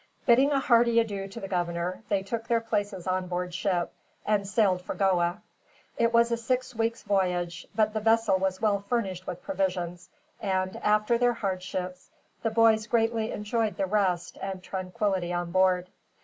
Bidding a hearty adieu to the governor, they took their places on board ship and sailed for Goa. It was a six weeks' voyage, but the vessel was well furnished with provisions and, after their hardships, the boys greatly enjoyed the rest and tranquility on board.